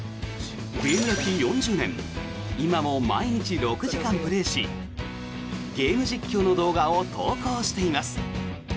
ゲーム歴４０年今も毎日６時間プレーしゲーム実況の動画を投稿しています。